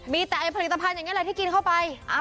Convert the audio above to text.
มีแต่ไอ้ผลิตภัณฑ์อย่างเงี้ยอะไรที่กินเข้าไปอ่า